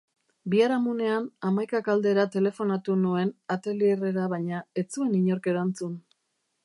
Biharamunean hamaikak aldera telefonatu nuen atelierrera baina ez zuen inork erantzun.